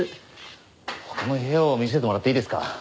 他の部屋も見せてもらっていいですか？